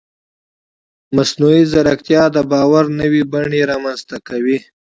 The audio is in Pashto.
مصنوعي ځیرکتیا د باور نوې بڼې رامنځته کوي.